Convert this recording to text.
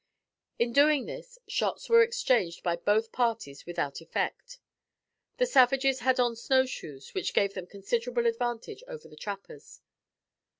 In doing this, shots were exchanged by both parties without effect. The savages had on snow shoes which gave them considerable advantage over the trappers.